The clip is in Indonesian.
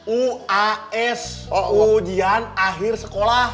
uas ujian akhir sekolah